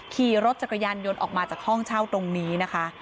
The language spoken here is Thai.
ขี่รถจักรยานยนต์ออกมาจากห้องเช่าตรงนี้นะคะ